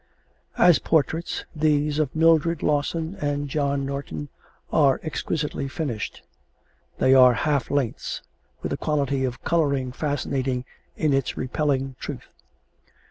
As portraits, these of Mildred Lawson and John Norton are exquisitely finished. They are half lengths, with a quality of coloring fascinating in its repelling truth.